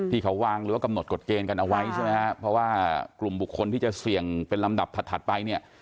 ที่เขาวางหรือว่ากำหนดกฎเกณฑ์กันเอาไว้ใช่ไหมฮะเพราะว่ากลุ่มบุคคลที่จะเสี่ยงเป็นลำดับถัดไปเนี่ย